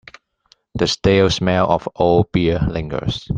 The stale smell of old beer lingers.